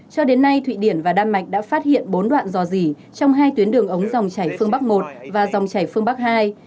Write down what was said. cho đến nay thụy điển và đan mạch đã phát hiện bốn đoạn dò dỉ trong hai tuyến đường ống dòng chảy phương bắc một và dòng chảy phương bắc hai